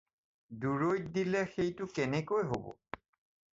দূৰৈত দিলে সেইটো কেনেকৈ হ'ব?